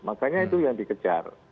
makanya itu yang dikejar